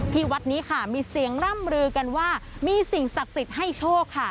วัดนี้ค่ะมีเสียงร่ำลือกันว่ามีสิ่งศักดิ์สิทธิ์ให้โชคค่ะ